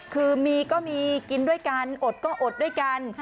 คือมีก็มีกินด้วยกันอดก็อดด้วยกัน